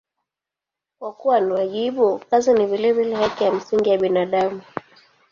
Kwa kuwa ni wajibu, kazi ni vilevile haki ya msingi ya binadamu.